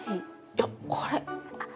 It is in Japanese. いやこれ。